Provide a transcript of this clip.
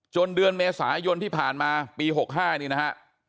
เดือนเมษายนที่ผ่านมาปี๖๕นี่นะฮะ